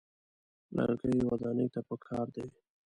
لرګي ودانۍ ته پکار دي.